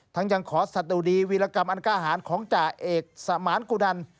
ทั้งจังขอสัตว์ดีวิรกรรมอันการ์หารของจ่าเอกสมานกุดัน